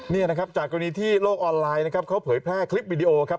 นี่นะครับจากกรณีที่โลกออนไลน์นะครับเขาเผยแพร่คลิปวิดีโอครับ